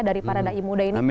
dari para dai muda ini